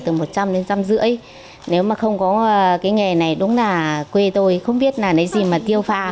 từ một trăm linh đến một trăm năm mươi nếu mà không có cái nghề này đúng là quê tôi không biết là cái gì mà tiêu pha